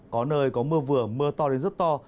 có nơi có mưa vừa mưa to đến rất to